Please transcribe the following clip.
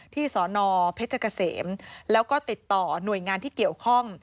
สนเพชรเกษมแล้วก็ติดต่อหน่วยงานที่เกี่ยวข้อง